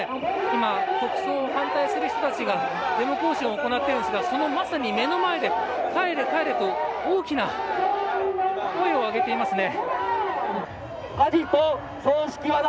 今、国葬に反対する人たちがデモ行進を行っているのですがそのまさに目の前で、帰れ帰れと大きな声を上げていますね。